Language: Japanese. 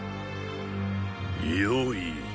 よい。